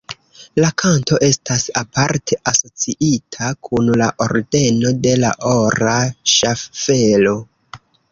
La kanto estas aparte asociita kun la Ordeno de la Ora Ŝaffelo.